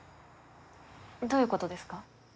どういうことですか？